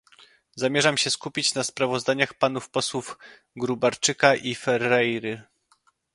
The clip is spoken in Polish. Zamierzam się skupić na sprawozdaniach panów posłów Gróbarczyka i Ferreiry